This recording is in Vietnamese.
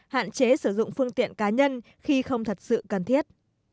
hạn chế sử dụng phương tiện cá nhân khi không thật sự cần thiết